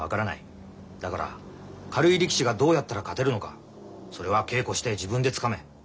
だから軽い力士がどうやったら勝てるのかそれは稽古して自分でつかめ。